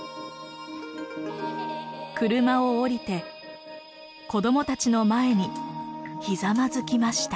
車を降りて子どもたちの前にひざまずきました。